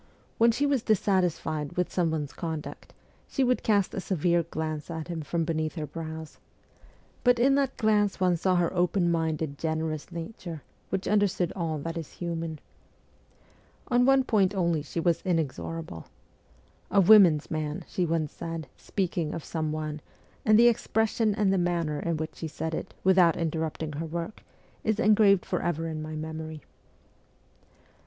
When she was dissatisfied with some one's conduct, she would cast a severe glance at him from beneath her brows ; but in that glance one saw her open minded, generous nature, which understood all that is human. On one point only she was inexorable. ' A women's man,' she once said, speaking of some one, and the expression and the manner in which she said it, without interrupt ing her work, is engraved for ever in my memory.